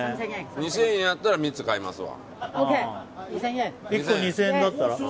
２０００円やったら３つ買いますわ。